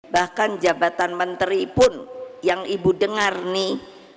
bahkan jabatan menteri pun yang ibu dengar nih